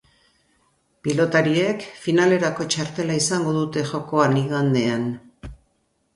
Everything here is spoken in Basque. Pilotariek finalerako txartela izango dute jokoan igandean.